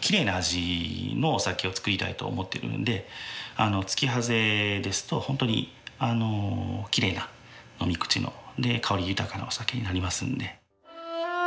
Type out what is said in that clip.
きれいな味のお酒を造りたいと思ってるので突破精ですと本当にきれいな飲み口ので香り豊かなお酒になりますので。